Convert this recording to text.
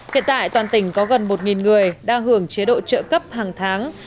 hiện tại toàn tỉnh có gần một người đang hưởng chế độ trợ cấp hàng tháng